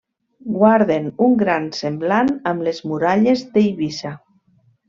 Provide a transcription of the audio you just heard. Guarden un gran semblant amb les muralles d'Eivissa.